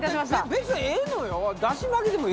別にええのよ。